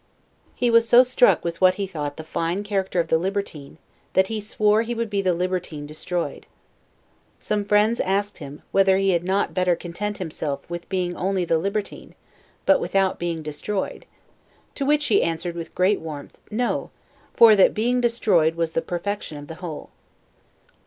He was so struck with what he thought the fine character of the libertine, that he swore he would be the LIBERTINE DESTROYED. Some friends asked him, whether he had not better content himself with being only the libertine, but without being DESTROYED? to which he answered with great warmth, "No, for that being destroyed was the perfection of the whole."